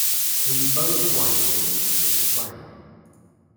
We both like things this way.